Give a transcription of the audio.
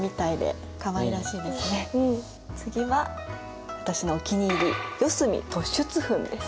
次は私のお気に入り四隅突出墳です。